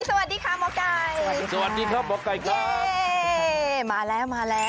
สวัสดีค่ะหมอไก่สวัสดีครับหมอไก่ครับมาแล้วมาแล้ว